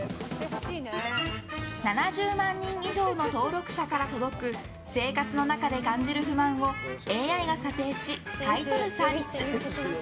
７０万人以上の登録者から届く生活の中で感じる不満をＡＩが査定し買い取るサービス。